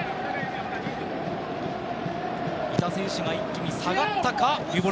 いた選手が一気に下がったか。